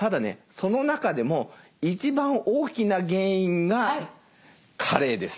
その中でも一番大きな原因が「加齢」です。